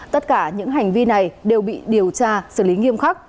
tất cả những hành vi này đều bị điều tra xử lý nghiêm khắc